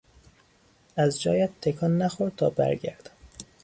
از جایت تکان نخور تا برگردم.